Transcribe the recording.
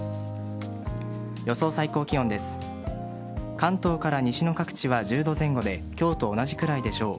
関東から西の各地は１０度前後で今日と同じくらいでしょう。